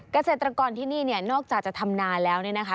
เกษตรกรที่นี่นอกจากจะทำนานแล้วนะคะ